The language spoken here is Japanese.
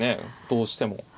どうしても。